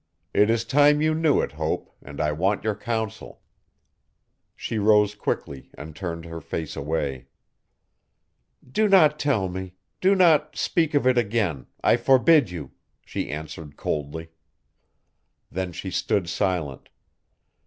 It is time you knew it Hope and I want your counsel. She rose quickly and turned her face away. 'Do not tell me do not speak of it again I forbid you,' she answered coldly. Then she stood silent.